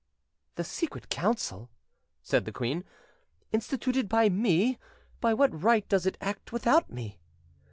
"The Secret Council!" said the queen. "Instituted by me, by what right does it act without me?